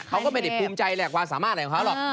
เขาก็ไม่ได้ภูมิใจแหลกความสามารถอะไรของเขาหรอก